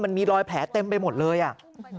มันมีรอยแผลเต็มไปหมดเลยอ่ะ